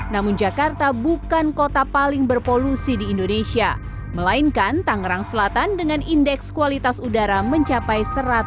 namun jakarta bukan kota paling berpolusi di indonesia melainkan tangerang selatan dengan indeks kualitas udara mencapai satu ratus enam puluh empat